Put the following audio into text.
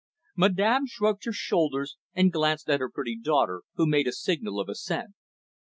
Madame shrugged her shoulders and glanced at her pretty daughter, who made a signal of assent.